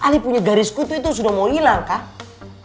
ahli punya garis kutu itu sudah mau hilang kak